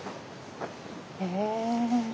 へえ。